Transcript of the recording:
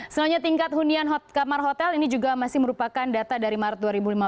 selanjutnya tingkat hunian kamar hotel ini juga masih merupakan data dari maret dua ribu lima belas